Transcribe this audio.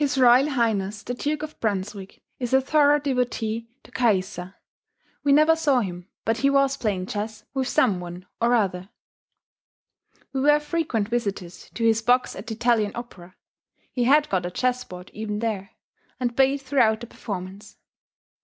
R. H. the Duke of Brunswick is a thorough devotee to Caïssa; we never saw him but he was playing chess with some one or other. We were frequent visitors to his box at the Italian Opera; he had got a chess board even there, and played throughout the performance.